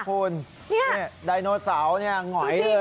คุณดันโนเสาร์หน่อยเลย